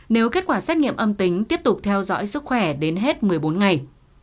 nếu kết quả xét nghiệm âm tính tiếp tục theo dõi sức khỏe đến hết một mươi bốn ngày